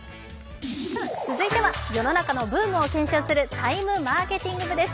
続いては世の中のブームを検証する「ＴＩＭＥマーケティング部」です。